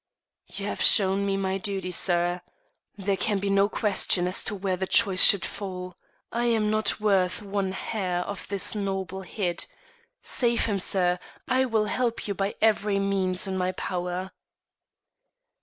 "You have shown me my duty, sir. There can be no question as to where the choice should fall, I am not worth one hair of his noble head. Save him, sir; I will help you by every means in my power."